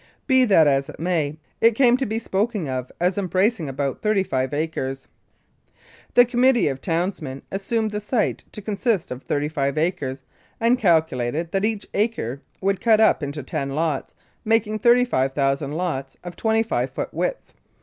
Be that as it may, it came to be spoken of as embracing about thirty five acres. The committee of townsmen assumed the site to con sist of thirty five acres, and calculated that each acre would cut up into ten lots, making 35,000 lots of 25 foot width.